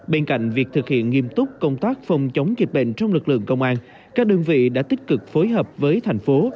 bên cạnh việc thực hiện nghiêm túc công tác phòng chống dịch bệnh trong lực lượng công an các đơn vị đã tích cực phối hợp với thành phố